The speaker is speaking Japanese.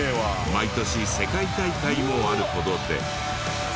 毎年世界大会もあるほどで。